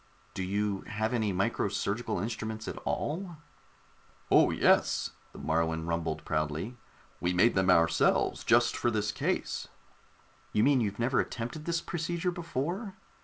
"Do you have any micro surgical instruments at all?" "Oh, yes," the Moruan rumbled proudly. "We made them ourselves, just for this case." "You mean you've never attempted this procedure before?"